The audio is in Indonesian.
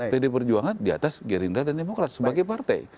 pd perjuangan diatas gerindra dan demokrat sebagai partai